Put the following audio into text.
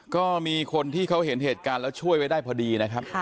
ก็มีคนที่เขาเห็นเหตุการณ์แล้วช่วยไว้ได้พอดีนะครับ